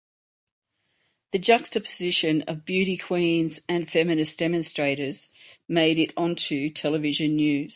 The juxtaposition of beauty queens and feminist demonstrators made it onto television news.